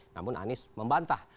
namun anies membantah